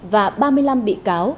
và ba mươi năm bị cáo